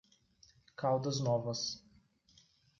Caldas Novas